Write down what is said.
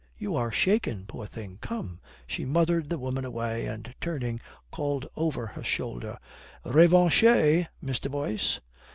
"You are shaken, poor thing. Come!" She mothered the woman away and, turning, called over her shoulder "Revanche, Mr. Boyce."